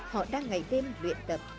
họ đang ngày đêm luyện tập